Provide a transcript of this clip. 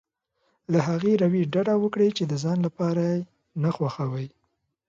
له هغې رويې ډډه وکړي چې د ځان لپاره نه خوښوي.